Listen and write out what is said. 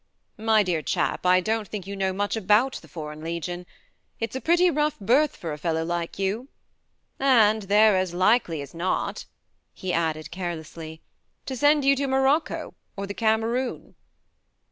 "My dear chap, I don't think you know much about the Foreign Legion. It's a pretty rough berth for a fellow like you. And they're as likely as not," he added carelessly, "to send you to Morocco or the Cameroon."